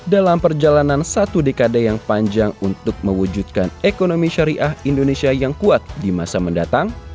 dalam perjalanan satu dekade yang panjang untuk mewujudkan ekonomi syariah indonesia yang kuat di masa mendatang